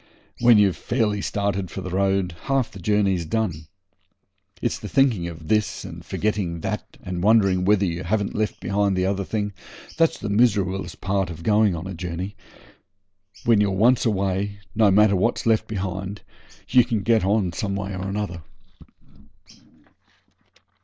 When you've fairly started for the road half the journey's done. It's the thinking of this and forgetting that, and wondering whether you haven't left behind the t'other thing, that's the miserablest part of going a journey; when you're once away, no matter what's left behind, you can get on some way or other.